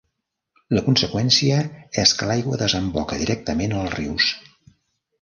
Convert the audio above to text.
La conseqüència és que l'aigua desemboca directament als rius.